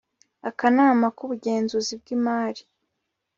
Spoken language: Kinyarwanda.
akanama k ubugenzuzi bw imari